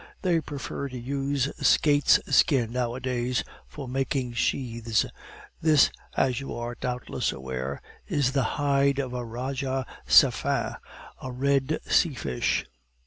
They prefer to use skate's skin nowadays for making sheaths. This, as you are doubtless aware, is the hide of the raja sephen, a Red Sea fish."